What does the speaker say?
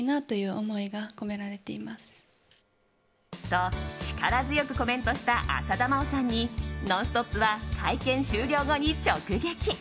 と、力強くコメントした浅田真央さんに「ノンストップ！」は会見終了後に直撃。